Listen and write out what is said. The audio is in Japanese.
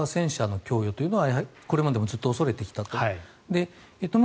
ロシアとしては西側戦車の供与というのはこれまでもずっと恐れてきたと。